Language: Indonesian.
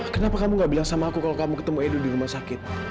kenapa kamu gak bilang sama aku kalau kamu ketemu edu di rumah sakit